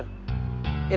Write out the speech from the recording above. nggak usah khawatir